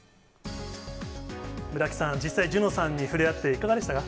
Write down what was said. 村木さん、実際、諄之さんに触れ合って、いかがでしたか。